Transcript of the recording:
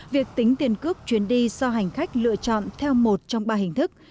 việc tính tiền cước chuyến đi do hành khách lựa chọn theo một trong ba hình thức